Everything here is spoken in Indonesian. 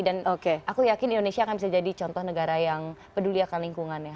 dan aku yakin indonesia akan bisa jadi contoh negara yang peduli akan lingkungan ya